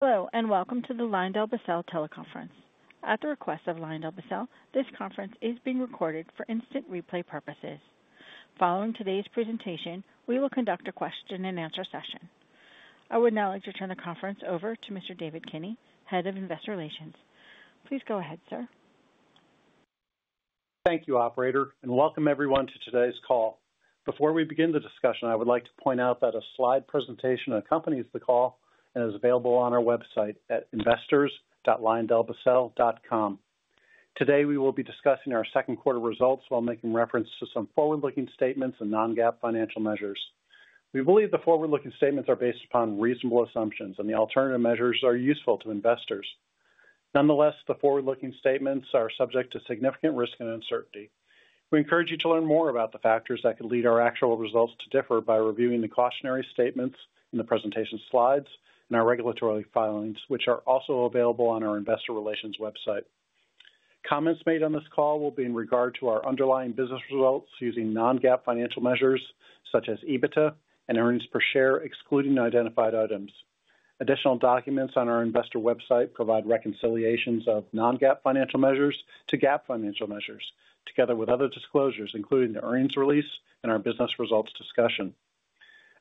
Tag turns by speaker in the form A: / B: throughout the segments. A: Hello, and welcome to the LyondellBasell Teleconference. At the request of LyondellBasell, this conference is being recorded for instant replay purposes. Following today's presentation, we will conduct a question and answer session. I would now like to turn the conference over to Mr. David Kinney, Head of Investor Relations. Please go ahead, sir.
B: Thank you, Operator, and welcome everyone to today's call. Before we begin the discussion, I would like to point out that a slide presentation accompanies the call and is available on our website at investors.lyondellbasell.com. Today, we will be discussing our second quarter results while making reference to some forward-looking statements and non-GAAP financial measures. We believe the forward-looking statements are based upon reasonable assumptions, and the alternative measures are useful to investors. Nonetheless, the forward-looking statements are subject to significant risk and uncertainty. We encourage you to learn more about the factors that could lead our actual results to differ by reviewing the cautionary statements in the presentation slides and our regulatory filings, which are also available on our Investor Relations website. Comments made on this call will be in regard to our underlying business results using non-GAAP financial measures such as EBITDA and earnings per share, excluding the identified items. Additional documents on our investor website provide reconciliations of non-GAAP financial measures to GAAP financial measures, together with other disclosures, including the earnings release and our business results discussion.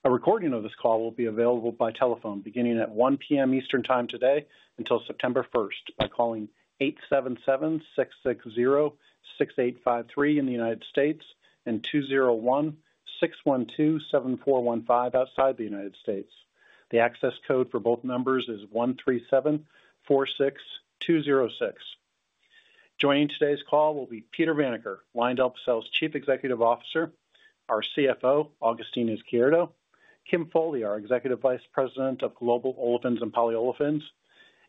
B: A recording of this call will be available by telephone beginning at 1:00 P.M. Eastern time today until September 1 by calling 877-660-6853 in the United States and 201-612-7415 outside the United States. The access code for both numbers is 137-46-206. Joining today's call will be Peter Vanacker, LyondellBasell's Chief Executive Officer, our CFO, Agustin Izquierdo, Kim Foley, our Executive Vice President of Global Olefins and Polyolefins,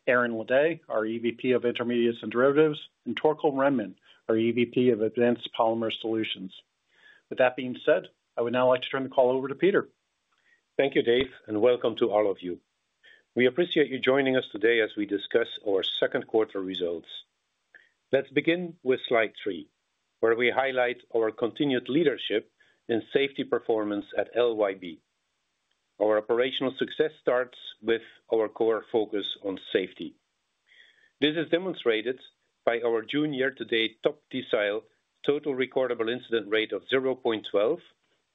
B: Aaron Ledet, our EVP of Intermediates and Derivatives, and Torkel Rhenman, our EVP of Advanced Polymer Solutions. With that being said, I would now like to turn the call over to Peter.
C: Thank you, Dave, and welcome to all of you. We appreciate you joining us today as we discuss our second quarter results. Let's begin with slide three, where we highlight our continued leadership in safety performance at LYB. Our operational success starts with our core focus on safety. This is demonstrated by our June year-to-date top decile total recordable incident rate of 0.12%,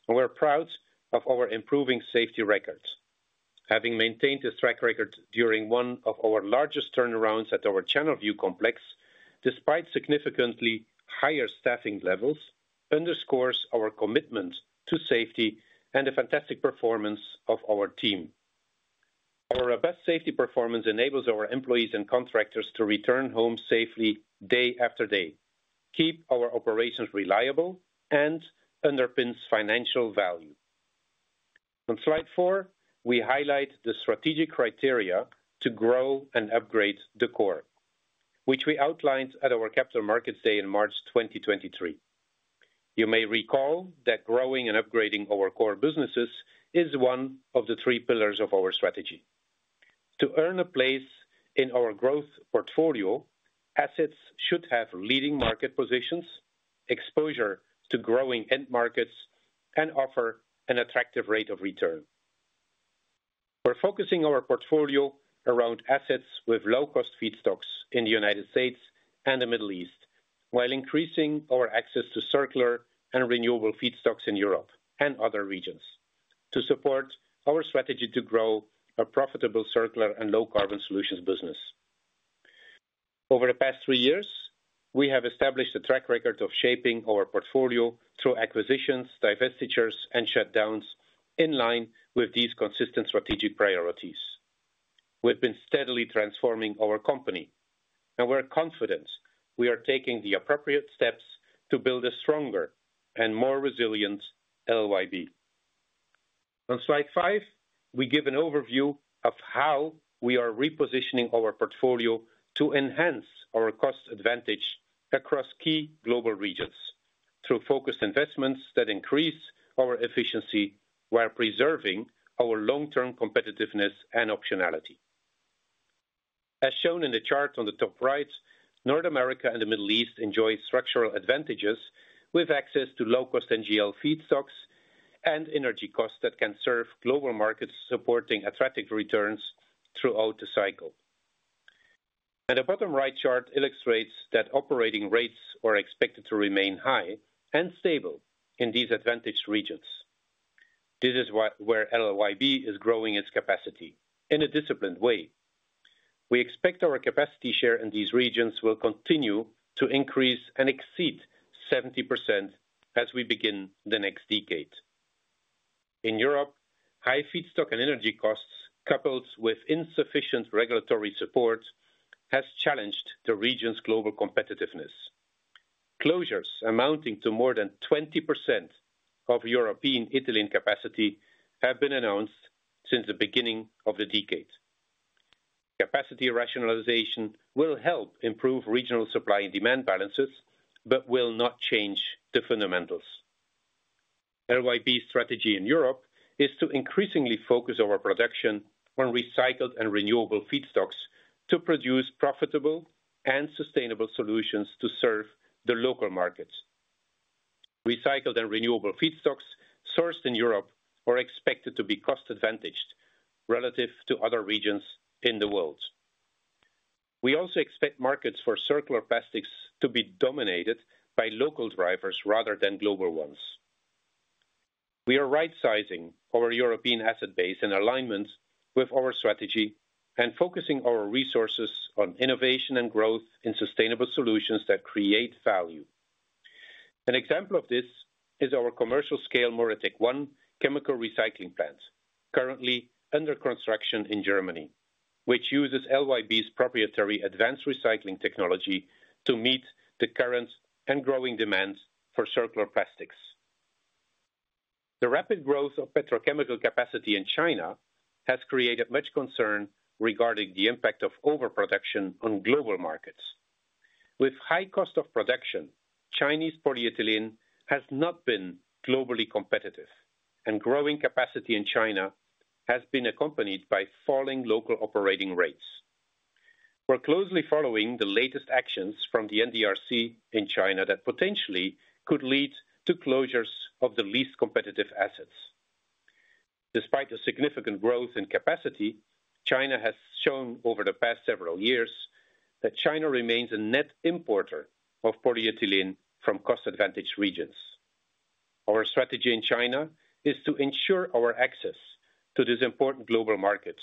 C: and we're proud of our improving safety record. Having maintained this track record during one of our largest turnarounds at our Channelview Complex, despite significantly higher staffing levels, underscores our commitment to safety and the fantastic performance of our team. Our best safety performance enables our employees and contractors to return home safely day after day, keeps our operations reliable, and underpins financial value. On slide four, we highlight the strategic criteria to grow and upgrade the core, which we outlined at our Capital Markets Day in March 2023. You may recall that growing and upgrading our core businesses is one of the three pillars of our strategy. To earn a place in our growth portfolio, assets should have leading market positions, exposure to growing end markets, and offer an attractive rate of return. We're focusing our portfolio around assets with low-cost feedstocks in the United States and the Middle East, while increasing our access to circular and renewable feedstocks in Europe and other regions to support our strategy to grow a profitable circular and low-carbon solutions business. Over the past three years, we have established a track record of shaping our portfolio through acquisitions, divestitures, and shutdowns in line with these consistent strategic priorities. We've been steadily transforming our company, and we're confident we are taking the appropriate steps to build a stronger and more resilient LyondellBasell Industries. On slide five, we give an overview of how we are repositioning our portfolio to enhance our cost advantage across key global regions through focused investments that increase our efficiency while preserving our long-term competitiveness and optionality. As shown in the chart on the top right, North America and the Middle East enjoy structural advantages with access to low-cost NGL feedstocks and energy costs that can serve global markets supporting athletic returns throughout the cycle. The bottom right chart illustrates that operating rates are expected to remain high and stable in these advantaged regions. This is where LYB is growing its capacity in a disciplined way. We expect our capacity share in these regions will continue to increase and exceed 70% as we begin the next decade. In Europe, high feedstock and energy costs, coupled with insufficient regulatory support, have challenged the region's global competitiveness. Closures amounting to more than 20% of European olefins capacity have been announced since the beginning of the decade. Capacity rationalization will help improve regional supply and demand balances, but will not change the fundamentals. LYB strategy in Europe is to increasingly focus our production on recycled and renewable feedstocks to produce profitable and sustainable solutions to serve the local markets. Recycled and renewable feedstocks sourced in Europe are expected to be cost-advantaged relative to other regions in the world. We also expect markets for circular plastics to be dominated by local drivers rather than global ones. We are right-sizing our European asset base in alignment with our strategy and focusing our resources on innovation and growth in sustainable solutions that create value. An example of this is our commercial-scale MoReTec-1 chemical recycling plant, currently under construction in Germany, which uses LYB's proprietary advanced recycling technology to meet the current and growing demand for circular plastics. The rapid growth of petrochemical capacity in China has created much concern regarding the impact of overproduction on global markets. With high cost of production, Chinese polyethylene has not been globally competitive, and growing capacity in China has been accompanied by falling local operating rates. We're closely following the latest actions from the NDRC in China that potentially could lead to closures of the least competitive assets. Despite a significant growth in capacity, China has shown over the past several years that China remains a net importer of polyethylene from cost-advantaged regions. Our strategy in China is to ensure our access to this important global market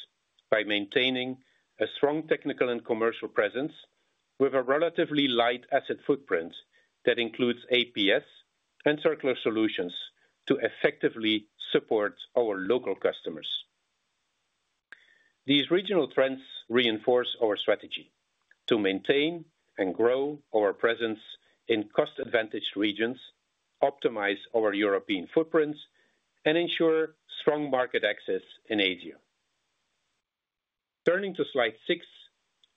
C: by maintaining a strong technical and commercial presence with a relatively light asset footprint that includes advanced polymer solutions and circular solutions to effectively support our local customers. These regional trends reinforce our strategy to maintain and grow our presence in cost-advantaged regions, optimize our European footprints, and ensure strong market access in Asia. Turning to slide six,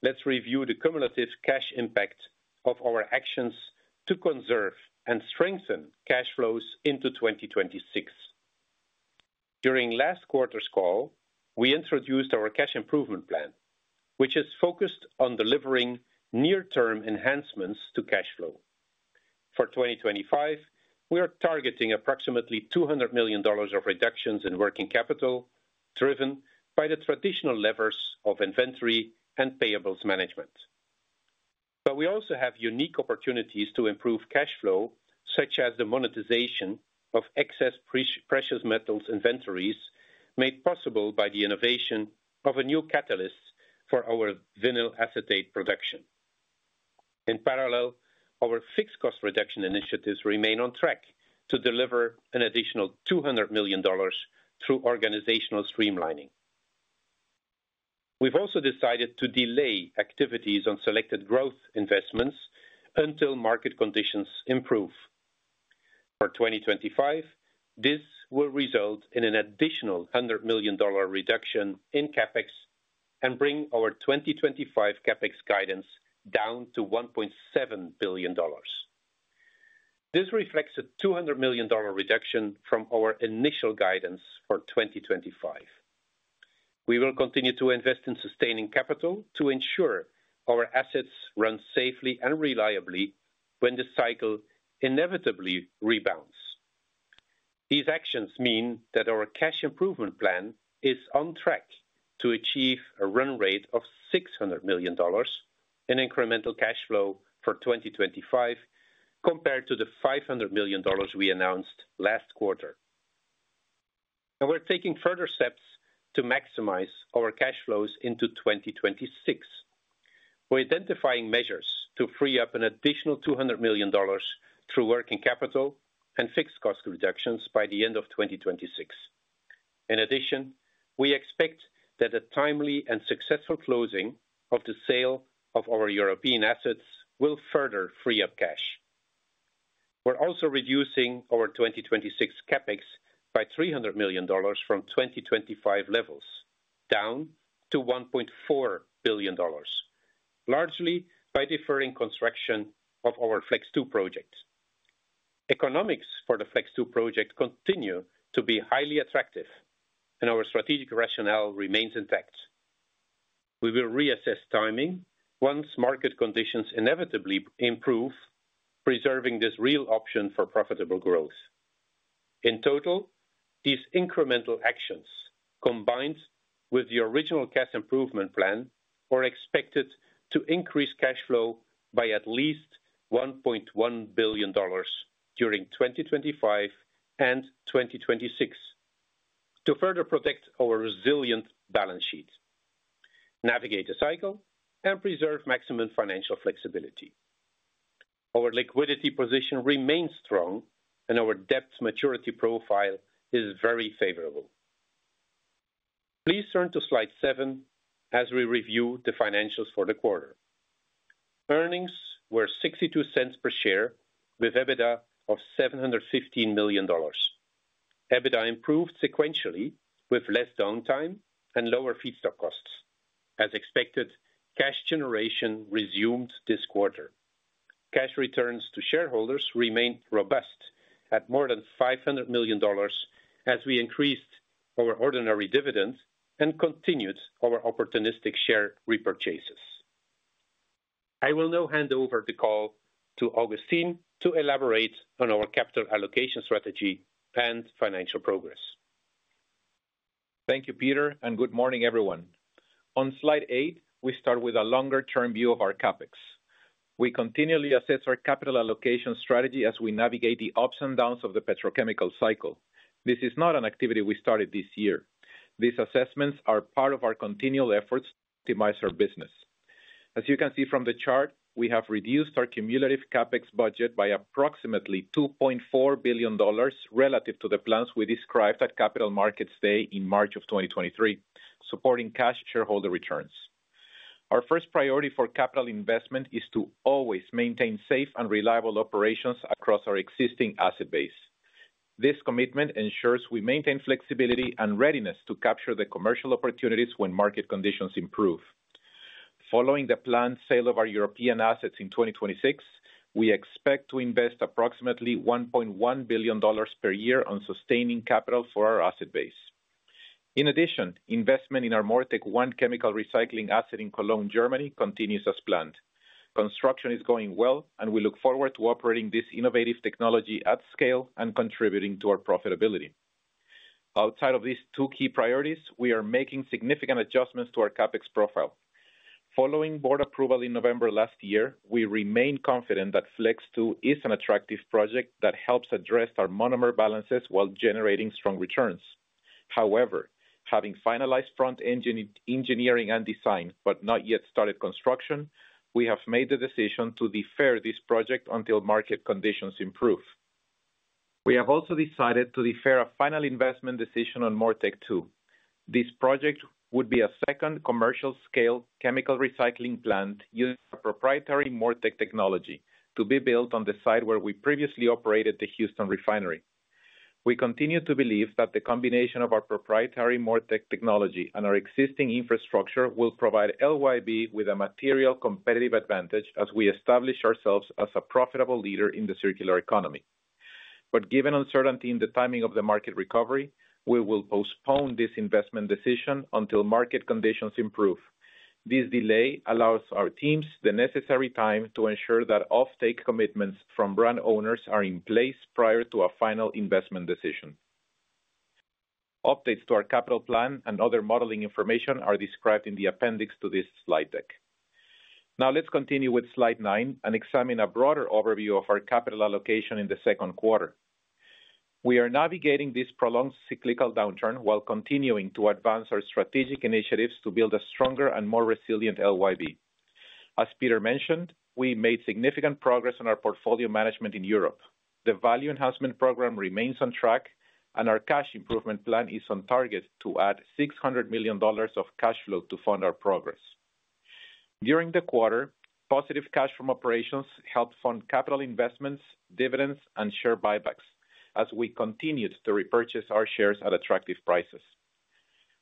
C: let's review the cumulative cash impact of our actions to conserve and strengthen cash flows into 2026. During last quarter's call, we introduced our cash improvement plan, which is focused on delivering near-term enhancements to cash flow. For 2025, we are targeting approximately $200 million of reductions in working capital, driven by the traditional levers of inventory and payables management. We also have unique opportunities to improve cash flow, such as the monetization of excess precious metals inventories, made possible by the innovation of a new catalyst for our vinyl acetate production. In parallel, our fixed cost reduction initiatives remain on track to deliver an additional $200 million through organizational streamlining. We've also decided to delay activities on selected growth investments until market conditions improve. For 2025, this will result in an additional $100 million reduction in CapEx and bring our 2025 CapEx guidance down to $1.7 billion. This reflects a $200 million reduction from our initial guidance for 2025. We will continue to invest in sustaining capital to ensure our assets run safely and reliably when the cycle inevitably rebounds. These actions mean that our cash improvement plan is on track to achieve a run rate of $600 million in incremental cash flow for 2025 compared to the $500 million we announced last quarter. We're taking further steps to maximize our cash flows into 2026. We're identifying measures to free up an additional $200 million through working capital and fixed cost reductions by the end of 2026. In addition, we expect that a timely and successful closing of the sale of our European assets will further free up cash. We're also reducing our 2026 CapEx by $300 million from 2025 levels, down to $1.4 billion, largely by deferring construction of our Flex-2 project. Economics for the Flex-2 project continue to be highly attractive, and our strategic rationale remains intact. We will reassess timing once market conditions inevitably improve, preserving this real option for profitable growth. In total, these incremental actions, combined with the original cash improvement plan, are expected to increase cash flow by at least $1.1 billion during 2025 and 2026 to further protect our resilient balance sheet, navigate the cycle, and preserve maximum financial flexibility. Our liquidity position remains strong, and our debt maturity profile is very favorable. Please turn to slide seven as we review the financials for the quarter. Earnings were $0.62 per share with EBITDA of $715 million. EBITDA improved sequentially with less downtime and lower feedstock costs. As expected, cash generation resumed this quarter. Cash returns to shareholders remain robust at more than $500 million as we increased our ordinary dividend and continued our opportunistic share repurchases. I will now hand over the call to Agustin to elaborate on our capital allocation strategy and financial progress.
D: Thank you, Peter, and good morning, everyone. On slide eight, we start with a longer-term view of our CapEx. We continually assess our capital allocation strategy as we navigate the ups and downs of the petrochemical cycle. This is not an activity we started this year. These assessments are part of our continual efforts to optimize our business. As you can see from the chart, we have reduced our cumulative CapEx budget by approximately $2.4 billion relative to the plans we described at Capital Markets Day in March of 2023, supporting cash shareholder returns. Our first priority for capital investment is to always maintain safe and reliable operations across our existing asset base. This commitment ensures we maintain flexibility and readiness to capture the commercial opportunities when market conditions improve. Following the planned sale of our European assets in 2026, we expect to invest approximately $1.1 billion per year on sustaining capital for our asset base. In addition, investment in our MoReTec-1 chemical recycling asset in Cologne, Germany, continues as planned. Construction is going well, and we look forward to operating this innovative technology at scale and contributing to our profitability. Outside of these two key priorities, we are making significant adjustments to our CapEx profile. Following board approval in November last year, we remain confident that Flex-2 is an attractive project that helps address our monomer balances while generating strong returns. However, having finalized front-end engineering and design but not yet started construction, we have made the decision to defer this project until market conditions improve. We have also decided to defer a final investment decision on MoReTec-2. This project would be a second commercial-scale chemical recycling plant using a proprietary Mauretic technology to be built on the site where we previously operated the Houston refinery. We continue to believe that the combination of our proprietary Mauretic technology and our existing infrastructure will provide LyondellBasell Industries with a material competitive advantage as we establish ourselves as a profitable leader in the circular economy. Given uncertainty in the timing of the market recovery, we will postpone this investment decision until market conditions improve. This delay allows our teams the necessary time to ensure that off-take commitments from brand owners are in place prior to a final investment decision. Updates to our capital plan and other modeling information are described in the appendix to this slide deck. Now let's continue with slide nine and examine a broader overview of our capital allocation in the second quarter. We are navigating this prolonged cyclical downturn while continuing to advance our strategic initiatives to build a stronger and more resilient LyondellBasell Industries. As Peter mentioned, we made significant progress in our portfolio management in Europe. The value enhancement program remains on track, and our cash improvement plan is on target to add $600 million of cash flow to fund our progress. During the quarter, positive cash from operations helped fund capital investments, dividends, and share buybacks as we continued to repurchase our shares at attractive prices.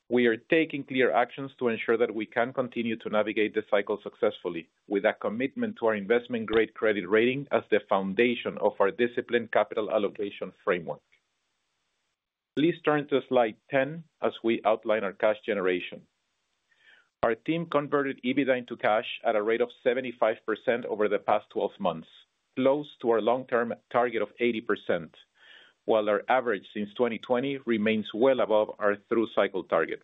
D: We are taking clear actions to ensure that we can continue to navigate the cycle successfully with a commitment to our investment-grade credit rating as the foundation of our disciplined capital allocation framework. Please turn to slide 10 as we outline our cash generation. Our team converted EBITDA into cash at a rate of 75% over the past 12 months, close to our long-term target of 80%, while our average since 2020 remains well above our through-cycle target.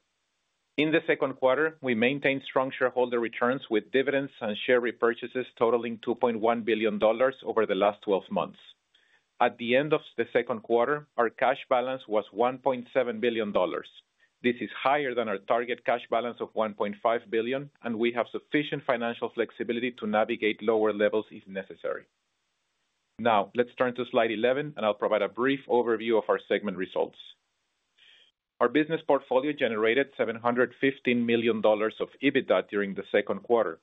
D: In the second quarter, we maintained strong shareholder returns with dividends and share repurchases totaling $2.1 billion over the last 12 months. At the end of the second quarter, our cash balance was $1.7 billion. This is higher than our target cash balance of $1.5 billion, and we have sufficient financial flexibility to navigate lower levels if necessary. Now let's turn to slide 11, and I'll provide a brief overview of our segment results. Our business portfolio generated $715 million of EBITDA during the second quarter.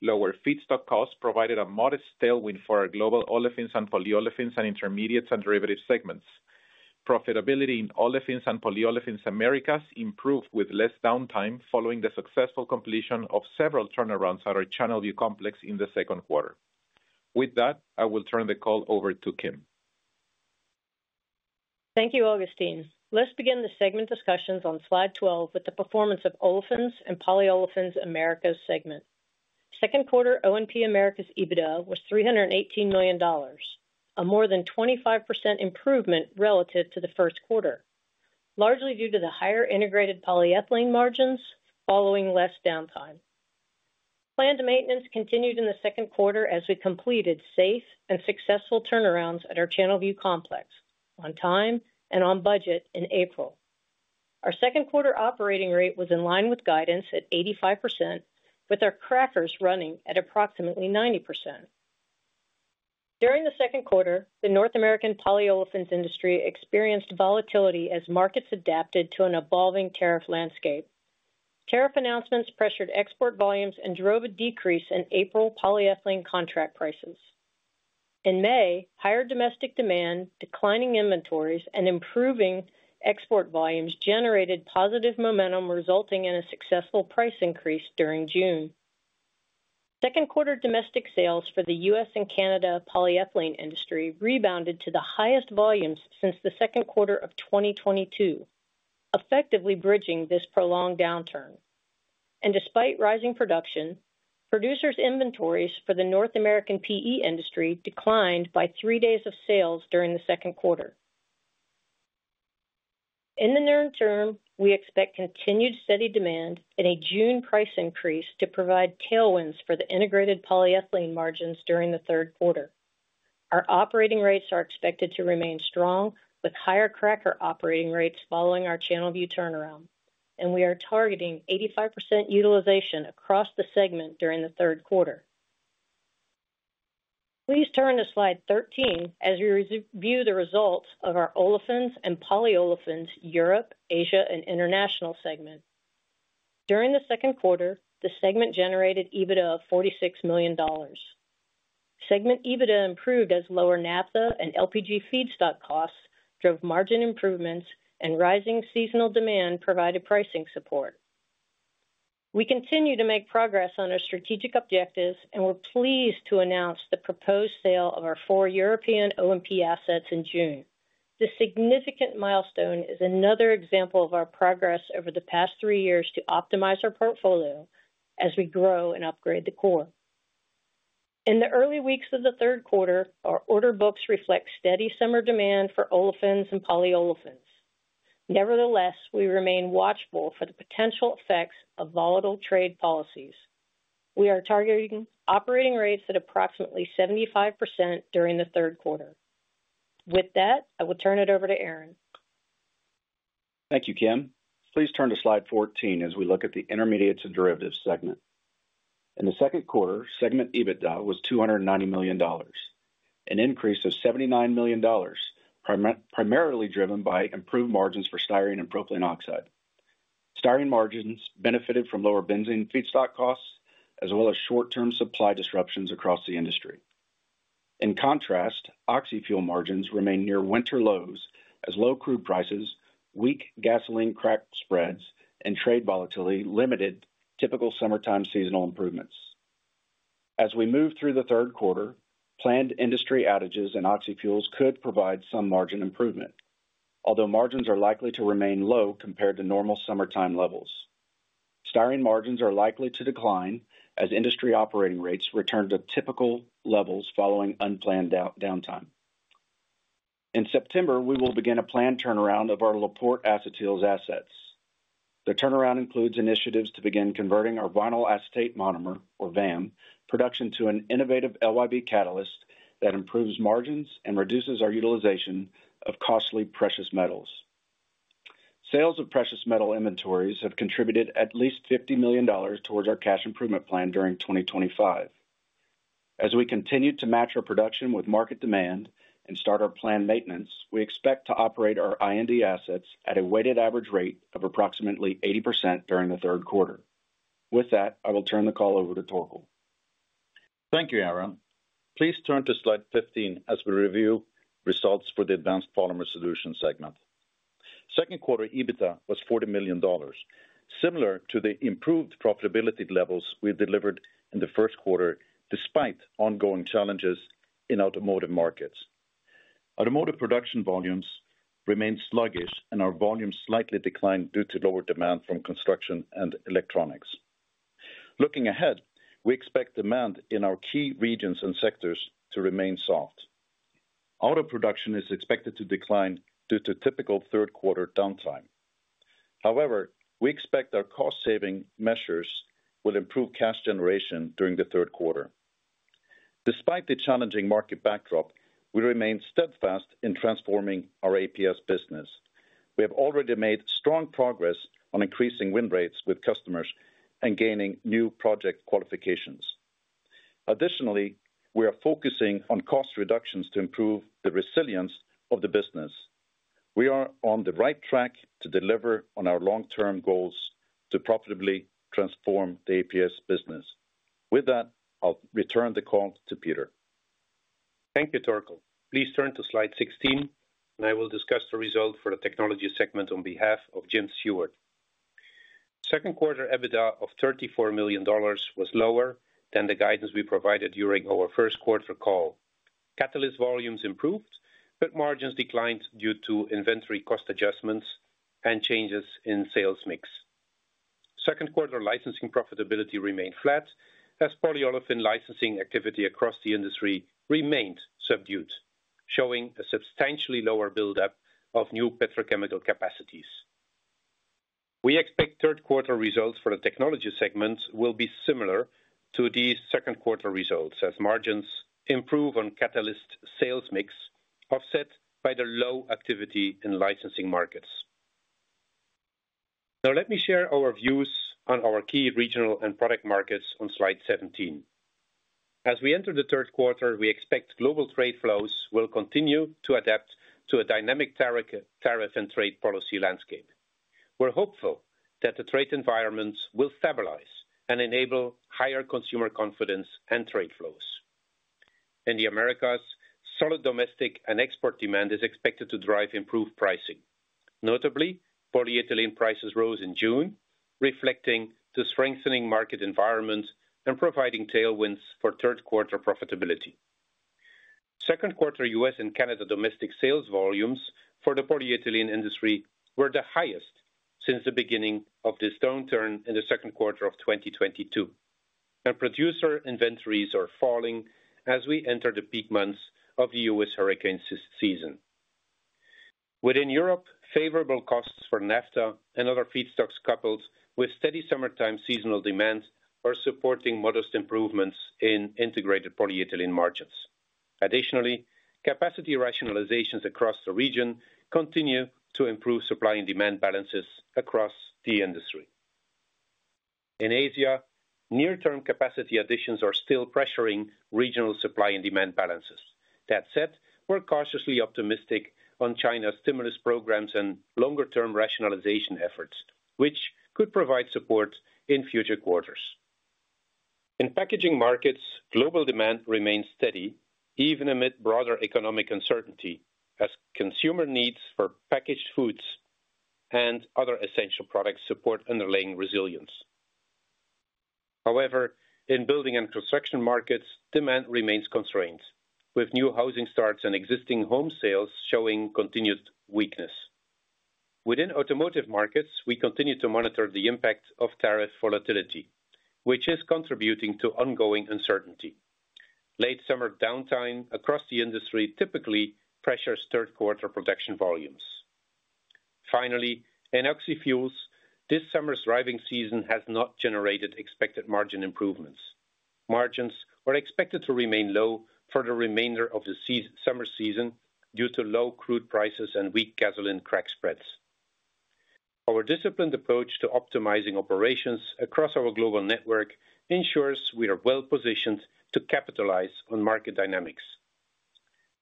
D: Lower feedstock costs provided a modest tailwind for our global olefins and polyolefins and intermediates and derivatives segments. Profitability in olefins and polyolefins Americas improved with less downtime following the successful completion of several turnarounds at our Channelview Complex in the second quarter. With that, I will turn the call over to Kim.
E: Thank you, Agustin. Let's begin the segment discussions on slide 12 with the performance of olefins & polyolefins Americas segment. Second quarter O&P Americas EBITDA was $318 million, a more than 25% improvement relative to the first quarter, largely due to the higher integrated polyethylene margins following less downtime. Planned maintenance continued in the second quarter as we completed safe and successful turnarounds at our Channelview Complex on time and on budget in April. Our second quarter operating rate was in line with guidance at 85%, with our crackers running at approximately 90%. During the second quarter, the North American polyolefins industry experienced volatility as markets adapted to an evolving tariff landscape. Tariff announcements pressured export volumes and drove a decrease in April polyethylene contract prices. In May, higher domestic demand, declining inventories, and improving export volumes generated positive momentum, resulting in a successful price increase during June. Second quarter domestic sales for the U.S. and Canada polyethylene industry rebounded to the highest volumes since the second quarter of 2022, effectively bridging this prolonged downturn. Despite rising production, producers' inventories for the North American PE industry declined by three days of sales during the second quarter. In the near term, we expect continued steady demand and a June price increase to provide tailwinds for the integrated polyethylene margins during the third quarter. Our operating rates are expected to remain strong, with higher cracker operating rates following our Channelview turnaround, and we are targeting 85% utilization across the segment during the third quarter. Please turn to slide 13 as we review the results of our olefins & polyolefins Europe, Asia, and International segment. During the second quarter, the segment generated EBITDA of $46 million. Segment EBITDA improved as lower naphtha and LPG feedstock costs drove margin improvements, and rising seasonal demand provided pricing support. We continue to make progress on our strategic objectives, and we're pleased to announce the proposed sale of our four European O&P assets in June. This significant milestone is another example of our progress over the past three years to optimize our portfolio as we grow and upgrade the core. In the early weeks of the third quarter, our order books reflect steady summer demand for Olefins & Polyolefins. Nevertheless, we remain watchful for the potential effects of volatile trade policies. We are targeting operating rates at approximately 75% during the third quarter. With that, I will turn it over to Aaron.
F: Thank you, Kim. Please turn to slide 14 as we look at the Intermediates & Derivatives segment. In the second quarter, segment EBITDA was $290 million, an increase of $79 million, primarily driven by improved margins for styrene and propylene oxide. Styrene margins benefited from lower benzene feedstock costs, as well as short-term supply disruptions across the industry. In contrast, oxy fuel margins remain near winter lows as low crude prices, weak gasoline crack spreads, and trade volatility limited typical summertime seasonal improvements. As we move through the third quarter, planned industry outages and oxy fuels could provide some margin improvement, although margins are likely to remain low compared to normal summertime levels. Styrene margins are likely to decline as industry operating rates return to typical levels following unplanned downtime. In September, we will begin a planned turnaround of our LaPorte acetyls assets. The turnaround includes initiatives to begin converting our vinyl acetate monomer, or VAM, production to an innovative LYB catalyst that improves margins and reduces our utilization of costly precious metals. Sales of precious metal inventories have contributed at least $50 million towards our cash improvement plan during 2025. As we continue to match our production with market demand and start our planned maintenance, we expect to operate our IND assets at a weighted average rate of approximately 80% during the third quarter. With that, I will turn the call over to Torkel.
G: Thank you, Aaron. Please turn to slide 15 as we review results for the advanced polymer solutions segment. Second quarter EBITDA was $40 million, similar to the improved profitability levels we delivered in the first quarter despite ongoing challenges in automotive markets. Automotive production volumes remain sluggish, and our volumes slightly declined due to lower demand from construction and electronics. Looking ahead, we expect demand in our key regions and sectors to remain soft. Auto production is expected to decline due to typical third-quarter downtime. However, we expect our cost-saving measures will improve cash generation during the third quarter. Despite the challenging market backdrop, we remain steadfast in transforming our APS business. We have already made strong progress on increasing win rates with customers and gaining new project qualifications. Additionally, we are focusing on cost reductions to improve the resilience of the business. We are on the right track to deliver on our long-term goals to profitably transform the APS business. With that, I'll return the call to Peter.
C: Thank you, Torkel. Please turn to slide 16, and I will discuss the result for the technology segment on behalf of Jim Seward. Second quarter EBITDA of $34 million was lower than the guidance we provided during our first quarter call. Catalyst volumes improved, but margins declined due to inventory cost adjustments and changes in sales mix. Second quarter licensing profitability remained flat, as polyolefin licensing activity across the industry remained subdued, showing a substantially lower buildup of new petrochemical capacities. We expect third-quarter results for the technology segment will be similar to these second-quarter results, as margins improve on catalyst sales mix offset by the low activity in licensing markets. Now, let me share our views on our key regional and product markets on slide 17. As we enter the third quarter, we expect global trade flows will continue to adapt to a dynamic tariff and trade policy landscape. We're hopeful that the trade environments will stabilize and enable higher consumer confidence and trade flows. In the Americas, solid domestic and export demand is expected to drive improved pricing. Notably, polyethylene prices rose in June, reflecting the strengthening market environment and providing tailwinds for third-quarter profitability. Second quarter U.S. and Canada domestic sales volumes for the polyethylene industry were the highest since the beginning of this downturn in the second quarter of 2022. Producer inventories are falling as we enter the peak months of the U.S. hurricane season. Within Europe, favorable costs for naphtha and other feedstocks, coupled with steady summertime seasonal demand, are supporting modest improvements in integrated polyethylene margins. Additionally, capacity rationalizations across the region continue to improve supply and demand balances across the industry. In Asia, near-term capacity additions are still pressuring regional supply and demand balances. That said, we're cautiously optimistic on China's stimulus programs and longer-term rationalization efforts, which could provide support in future quarters. In packaging markets, global demand remains steady, even amid broader economic uncertainty, as consumer needs for packaged foods and other essential products support underlying resilience. However, in building and construction markets, demand remains constrained, with new housing starts and existing home sales showing continued weakness. Within automotive markets, we continue to monitor the impact of tariff volatility, which is contributing to ongoing uncertainty. Late summer downtime across the industry typically pressures third-quarter production volumes. Finally, in oxyfuels, this summer's driving season has not generated expected margin improvements. Margins are expected to remain low for the remainder of the summer season due to low crude prices and weak gasoline crack spreads. Our disciplined approach to optimizing operations across our global network ensures we are well positioned to capitalize on market dynamics.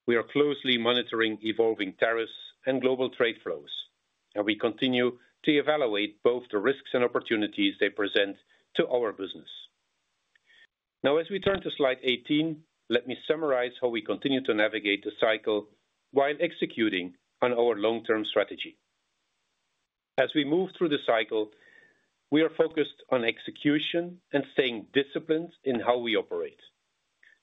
C: We are closely monitoring evolving tariffs and global trade flows, and we continue to evaluate both the risks and opportunities they present to our business. Now, as we turn to slide 18, let me summarize how we continue to navigate the cycle while executing on our long-term strategy. As we move through the cycle, we are focused on execution and staying disciplined in how we operate.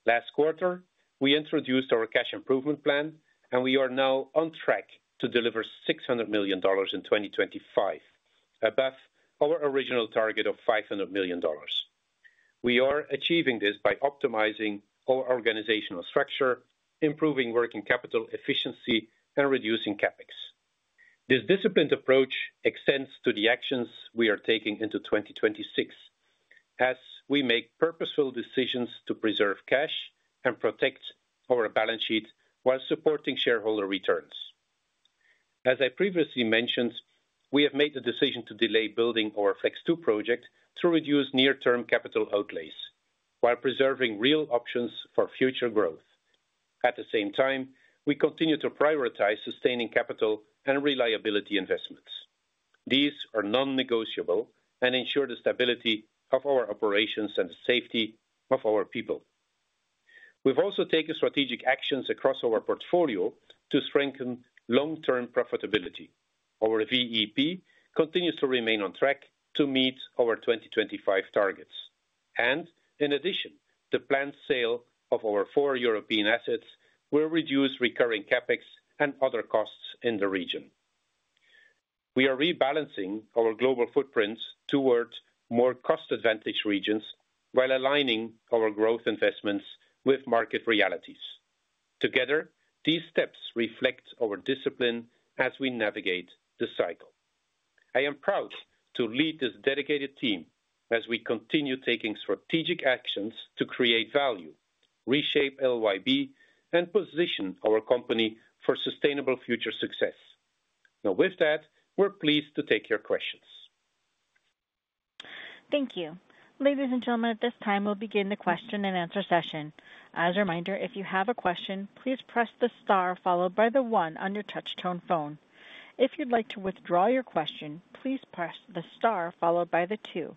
C: Last quarter, we introduced our cash improvement plan, and we are now on track to deliver $600 million in 2025, above our original target of $500 million. We are achieving this by optimizing our organizational structure, improving working capital efficiency, and reducing CapEx. This disciplined approach extends to the actions we are taking into 2026 as we make purposeful decisions to preserve cash and protect our balance sheet while supporting shareholder returns. As I previously mentioned, we have made the decision to delay building our Flex-2 project to reduce near-term capital outlays while preserving real options for future growth. At the same time, we continue to prioritize sustaining capital and reliability investments. These are non-negotiable and ensure the stability of our operations and the safety of our people. We've also taken strategic actions across our portfolio to strengthen long-term profitability. Our VEP continues to remain on track to meet our 2025 targets. In addition, the planned sale of our four European assets will reduce recurring CapEx and other costs in the region. We are rebalancing our global footprints toward more cost-advantaged regions while aligning our growth investments with market realities. Together, these steps reflect our discipline as we navigate the cycle. I am proud to lead this dedicated team as we continue taking strategic actions to create value, reshape LYB, and position our company for sustainable future success. Now, with that, we're pleased to take your questions.
A: Thank you. Ladies and gentlemen, at this time, we'll begin the question and answer session. As a reminder, if you have a question, please press the star followed by the one on your touch-tone phone. If you'd like to withdraw your question, please press the star followed by the two.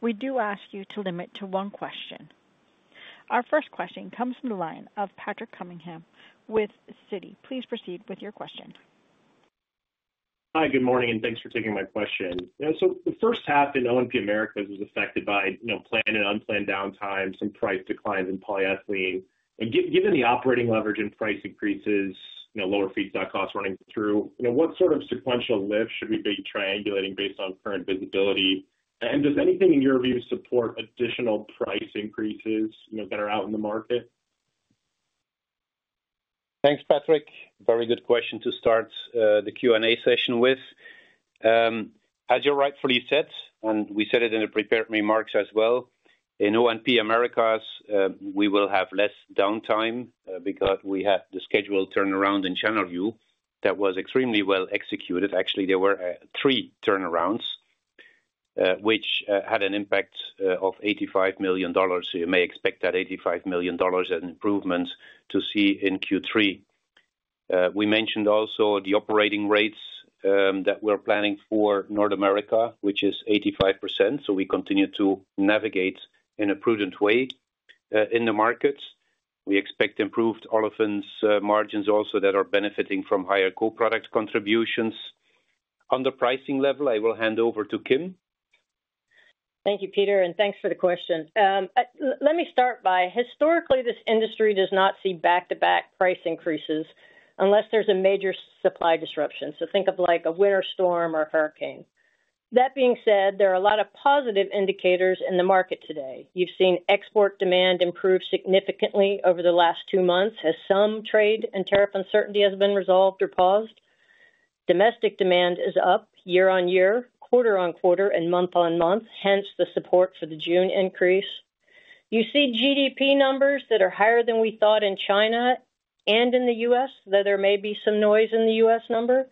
A: We do ask you to limit to one question. Our first question comes from the line of Patrick Cunningham with Citi. Please proceed with your question.
H: Hi, good morning, and thanks for taking my question. The first half in O&P Americas is affected by planned and unplanned downtime, some price declines in polyethylene. Given the operating leverage and price increases, lower feedstock costs running through, what sort of sequential lift should we be triangulating based on current visibility? Does anything in your view support additional price increases that are out in the market?
C: Thanks, Patrick. Very good question to start the Q&A session with. As you rightfully said, and we said it in the prepared remarks as well, in O&P Americas, we will have less downtime because we had the scheduled turnaround in Channelview that was extremely well executed. Actually, there were three turnarounds, which had an impact of $85 million. You may expect that $85 million in improvements to see in Q3. We mentioned also the operating rates that we're planning for North America, which is 85%. We continue to navigate in a prudent way in the markets. We expect improved olefins margins also that are benefiting from higher co-product contributions. On the pricing level, I will hand over to Kim.
E: Thank you, Peter, and thanks for the question. Let me start by saying, historically, this industry does not see back-to-back price increases unless there's a major supply disruption. Think of a winter storm or hurricane. That being said, there are a lot of positive indicators in the market today. You've seen export demand improve significantly over the last two months as some trade and tariff uncertainty has been resolved or paused. Domestic demand is up year on year, quarter-on-quarter, and month-on-month, hence the support for the June increase. You see GDP numbers that are higher than we thought in China and in the U.S., though there may be some noise in the U.S. number.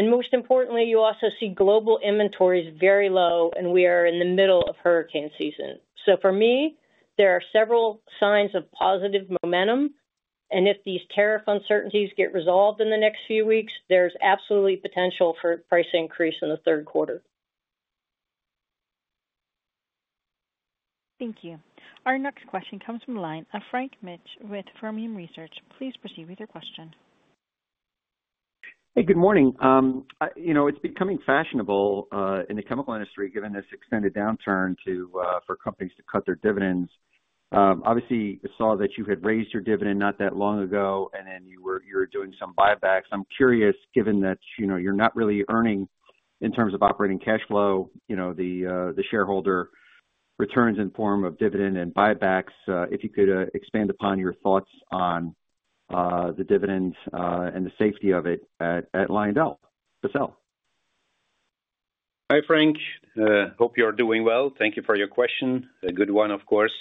E: Most importantly, you also see global inventories very low, and we are in the middle of hurricane season. For me, there are several signs of positive momentum. If these tariff uncertainties get resolved in the next few weeks, there's absolutely potential for a price increase in the third quarter.
A: Thank you. Our next question comes from the line of Frank Mitsch with Fermium Research. Please proceed with your question.
I: Hey, good morning. It's becoming fashionable in the chemical industry, given this extended downturn, for companies to cut their dividends. Obviously, I saw that you had raised your dividend not that long ago, and you were doing some buybacks. I'm curious, given that you're not really earning in terms of operating cash flow, the shareholder returns in the form of dividend and buybacks, if you could expand upon your thoughts on the dividend and the safety of it at LyondellBasell.
C: Hi, Frank. Hope you are doing well. Thank you for your question. A good one, of course.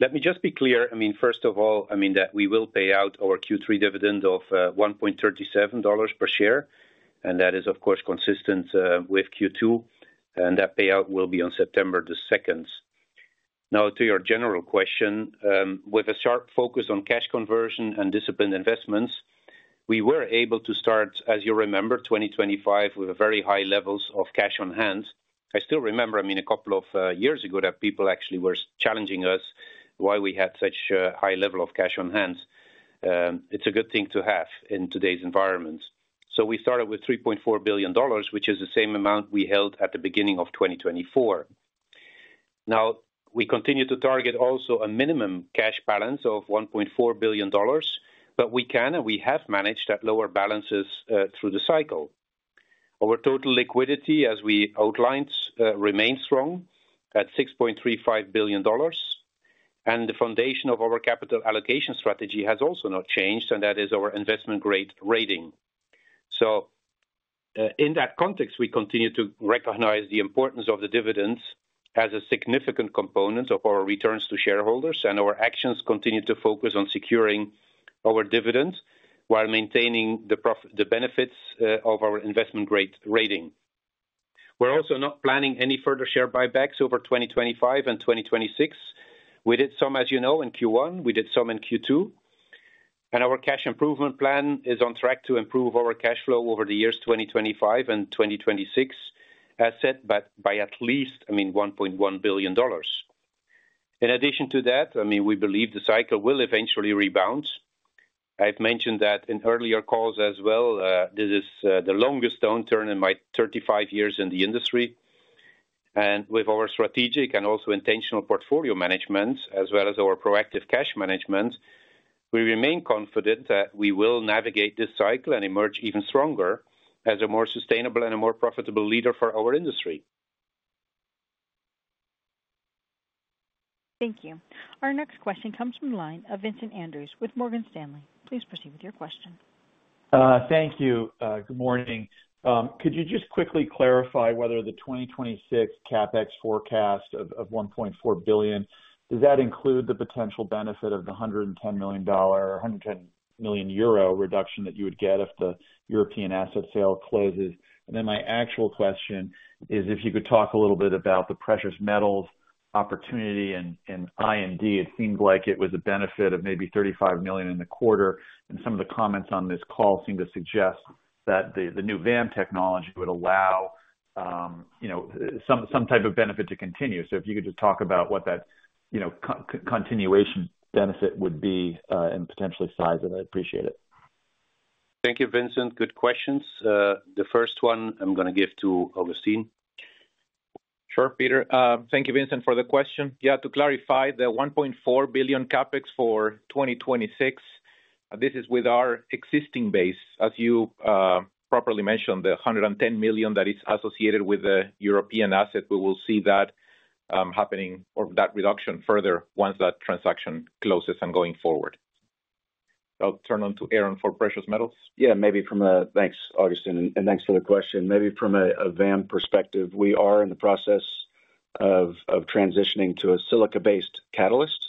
C: Let me just be clear. First of all, we will pay out our Q3 dividend of $1.37 per share, and that is, of course, consistent with Q2. That payout will be on September 2. Now, to your general question, with a sharp focus on cash conversion and disciplined investments, we were able to start, as you remember, 2025 with very high levels of cash on hand. I still remember a couple of years ago that people actually were challenging us why we had such a high level of cash on hand. It's a good thing to have in today's environment. We started with $3.4 billion, which is the same amount we held at the beginning of 2024. We continue to target also a minimum cash balance of $1.4 billion, but we can and we have managed that lower balances through the cycle. Our total liquidity, as we outlined, remains strong at $6.35 billion. The foundation of our capital allocation strategy has also not changed, and that is our investment-grade rating. In that context, we continue to recognize the importance of the dividends as a significant component of our returns to shareholders, and our actions continue to focus on securing our dividends while maintaining the benefits of our investment-grade rating. We're also not planning any further share repurchases over 2025 and 2026. We did some, as you know, in Q1. We did some in Q2. Our cash improvement plan is on track to improve our cash flow over the years 2025 and 2026, as said, by at least $1.1 billion. In addition to that, we believe the cycle will eventually rebound. I've mentioned that in earlier calls as well. This is the longest downturn in my 35 years in the industry. With our strategic and also intentional portfolio management, as well as our proactive cash management, we remain confident that we will navigate this cycle and emerge even stronger as a more sustainable and a more profitable leader for our industry.
A: Thank you. Our next question comes from the line of Vincent Andrews with Morgan Stanley. Please proceed with your question.
J: Thank you. Good morning. Could you just quickly clarify whether the 2026 CapEx forecast of $1.4 billion includes the potential benefit of the $110 million or 110 million euro reduction that you would get if the European asset sale closes? My actual question is, if you could talk a little bit about the precious metals opportunity in intermediates & derivatives, it seemed like it was a benefit of maybe $35 million in the quarter. Some of the comments on this call seem to suggest that the new VAM technology would allow some type of benefit to continue. If you could just talk about what that continuation benefit would be and potentially size of it, I'd appreciate it.
C: Thank you, Vincent. Good questions. The first one I'm going to give to Agustin.
D: Sure, Peter. Thank you, Vincent, for the question. To clarify, the $1.4 billion CapEx for 2026, this is with our existing base. As you properly mentioned, the $110 million that is associated with the European asset, we will see that happening or that reduction further once that transaction closes and going forward. I'll turn on to Aaron for precious metals.
F: Yeah, thanks, Agustin, and thanks for the question. Maybe from a VAM perspective, we are in the process of transitioning to a silica-based catalyst.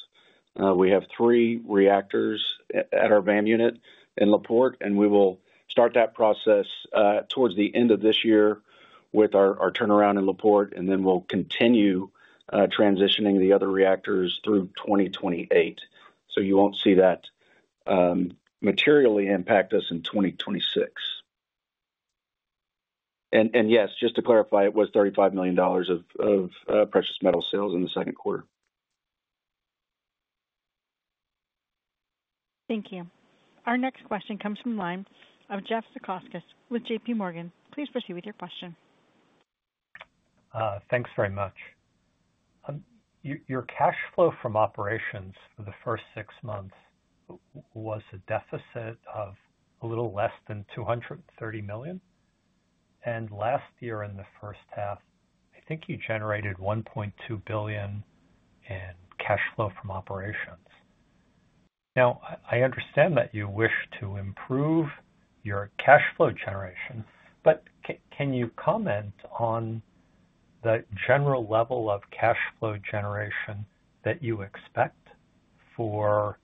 F: We have three reactors at our VAM unit in LaPorte, and we will start that process towards the end of this year with our turnaround in LaPorte, and we'll continue transitioning the other reactors through 2028. You won't see that materially impact us in 2026. Yes, just to clarify, it was $35 million of precious metals sales in the second quarter.
A: Thank you. Our next question comes from the line of Jeff Zekauskas with JPMorgan Chase & Co. Please proceed with your question.
K: Thanks very much. Your cash flow from operations for the first six months was a deficit of a little less than $230 million. Last year, in the first half, I think you generated $1.2 billion in cash flow from operations. I understand that you wish to improve your cash flow generation, but can you comment on the general level of cash flow generation that you expect for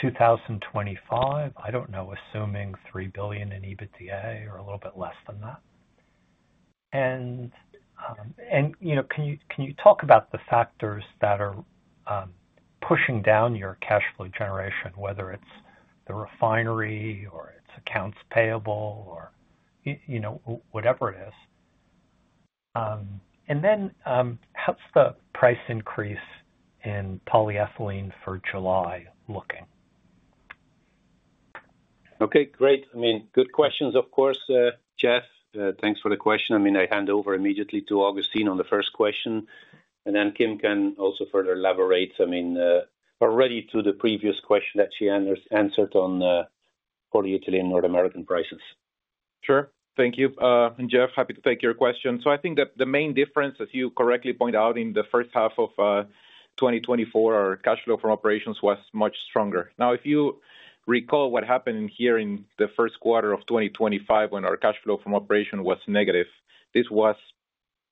K: 2025? I don't know, assuming $3 billion in EBITDA or a little bit less than that. Can you talk about the factors that are pushing down your cash flow generation, whether it's the refinery or it's accounts payable or whatever it is? How's the price increase in polyethylene for July looking?
C: Okay, great. Good questions, of course. Jeff, thanks for the question. I hand over immediately to Agustin on the first question, and then Kim can also further elaborate, already to the previous question that she answered on polyethylene North American prices.
D: Sure. Thank you. Jeff, happy to take your question. I think that the main difference, as you correctly pointed out, in the first half of 2024, our cash flow from operations was much stronger. If you recall what happened here in the first quarter of 2025 when our cash flow from operations was negative, this was